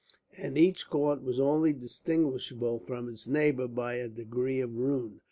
And each court was only distinguishable from its neighbour by a degree of ruin.